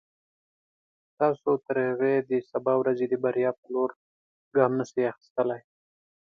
تاسو تر هغې د سبا ورځې د بریا په لور ګام نشئ اخیستلای.